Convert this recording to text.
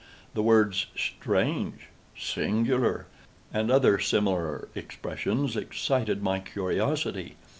The words "strange!" "singular!" and other similar expressions, excited my curiosity.